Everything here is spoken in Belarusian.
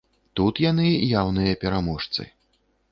Тут яны яўныя пераможцы.